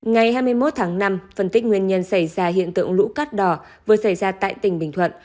ngày hai mươi một tháng năm phân tích nguyên nhân xảy ra hiện tượng lũ cát đỏ vừa xảy ra tại tỉnh bình thuận